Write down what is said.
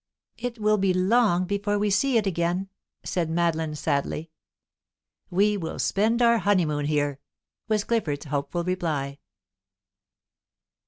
"It will be long before we see it again," said Madeline, sadly. "We will spend our honeymoon here," was Clifford's hopeful reply.